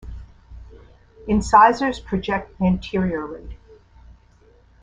Incisors project anteriorly.